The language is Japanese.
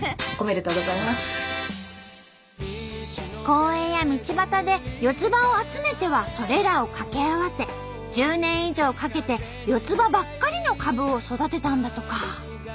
公園や道端で四つ葉を集めてはそれらを掛け合わせ１０年以上かけて四つ葉ばっかりの株を育てたんだとか。